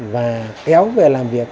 và kéo về làm việc